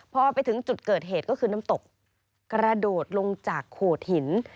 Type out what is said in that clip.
พอไปถึงจุดเกิดเหตุก็คือน้ำตกกระโดดลงจากโขดหิน